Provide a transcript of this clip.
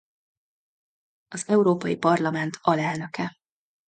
Az Európai Parlament alelnöke.